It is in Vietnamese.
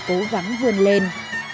cố gắng vươn lên